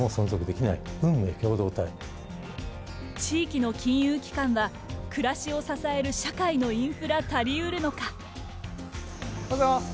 地域の金融機関は暮らしを支える社会のインフラたり得るのか。